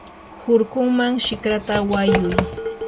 hurkunman shikrata wayuy.